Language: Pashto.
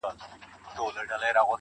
په خــــنــدا كيــسـه شـــــروع كړه.